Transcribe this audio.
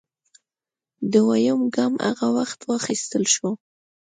دویم ګام هغه وخت واخیستل شو